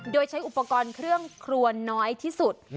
โดยใช้อุปกรณ์เครื่องครัวน้อยที่สุด